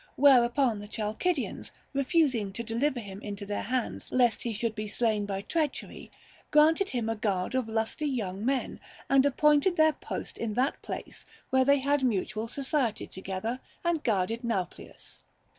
Whereupon the Chalcid ians, refusing to deliver him into their hands lest he should 280 THE GEEEK QUESTIONS. be slain by treachery, granted him a guard of lusty young men, and appointed their post in that place where they had mutual society together and guarded Nauplius.